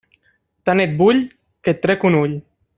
Tant et vull, que et trac un ull.